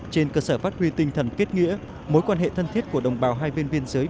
trên cơ sở phát huy tinh thần kết nghĩa mối quan hệ thân thiết của đồng bào hai bên biên giới